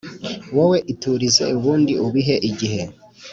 Wowe iturize ubundi ubihe igihe